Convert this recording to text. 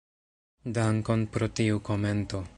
Dankon pro tiu komento.